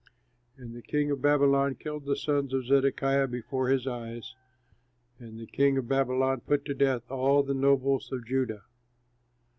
And the king of Babylon killed the sons of Zedekiah before his eyes. And the king of Babylon put to death all the nobles of Judah.